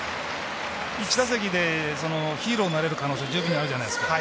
１打席でヒーローになれる可能性十分にあるじゃないですか。